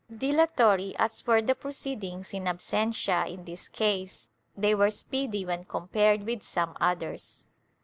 Dilatory as were the proceedings in absentia in this case, they were speedy when compared with some others.